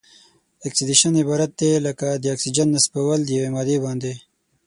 اکسیدیشن عبارت دی له د اکسیجن نصبول په یوې مادې باندې.